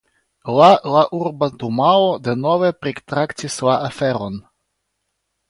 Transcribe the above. La la urba dumao denove pritraktis la aferon.